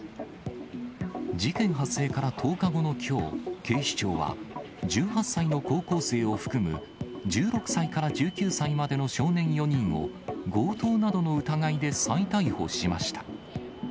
事件発生から１０日後のきょう、警視庁は１８歳の高校生を含む、１６歳から１９歳までの少年４人を、強盗などの疑いで再逮捕しました。